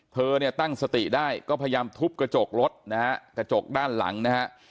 เธอเนี่ยตั้งสติได้ก็พยายามทุบกระจกรถนะฮะกระจกด้านหลังนะฮะ